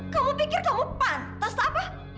kamu pikir kamu pantas apa